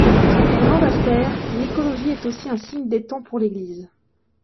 Pour Jean Bastaire, l'écologie est aussi un signe des temps pour l'Église.